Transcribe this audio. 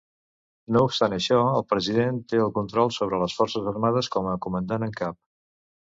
No obstant això, el president té el control sobre les forces armades com a comandant en cap.